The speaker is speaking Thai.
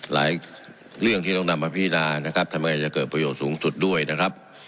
หลายเรื่องที่ต้องนำมาพินานะครับทำยังไงจะเกิดประโยชน์สูงสุดด้วยนะครับ